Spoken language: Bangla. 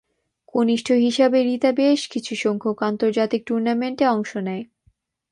কনিষ্ঠ হিসাবে রিতা বেশ কিছু সংখ্যক আন্তর্জাতিক টুর্নামেন্ট-এ অংশ নেয়।